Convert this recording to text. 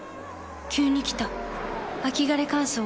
急に来た秋枯れ乾燥。